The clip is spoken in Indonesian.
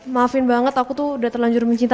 maafin banget aku tuh udah terlanjur mencinta